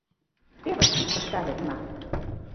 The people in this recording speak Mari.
— Тевыс!.. — ыштале уна.